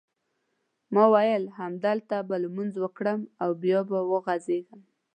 ما وېل همدلته به لمونځ وکړم او بیا به وغځېږم.